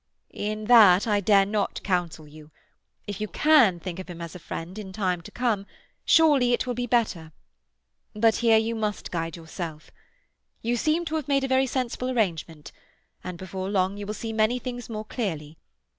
"In that I dare not counsel you. If you can think of him as a friend, in time to come, surely it will be better. But here you must guide yourself. You seem to have made a very sensible arrangement, and before long you will see many things more clearly.